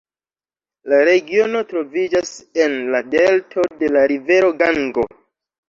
La regiono troviĝas en la delto de la rivero Gango.